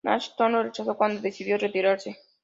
Nasmyth lo rechazó cuando decidió retirarse.